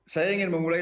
saya ingin memulai